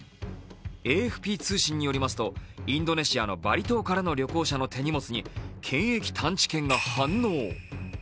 ＡＦＰ通信によりますとインドネシアのバリ島からの旅行者の手荷物に検疫探知犬が反応。